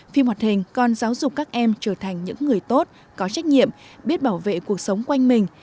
phim hoạt hình còn giáo dục các em trở thành những người tốt có trách nhiệm biết bảo vệ cuộc sống quanh mình